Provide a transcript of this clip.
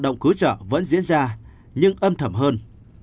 nhưng âm thầm hơn